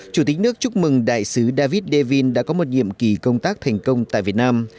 chủ tịch nước chúc mừng đại sứ david davin đã có một nhiệm kỳ công tác thành công tại việt nam